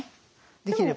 できれば。